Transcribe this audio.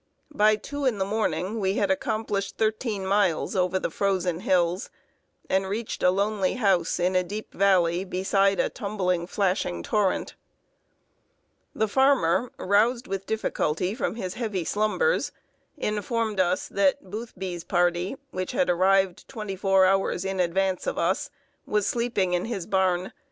By two in the morning we had accomplished thirteen miles over the frozen hills, and reached a lonely house in a deep valley, beside a tumbling, flashing torrent. [Sidenote: SECRETED AMONG THE HUSKS.] The farmer, roused with difficulty from his heavy slumbers, informed us that Boothby's party, which had arrived twenty four hours in advance of us, was sleeping in his barn.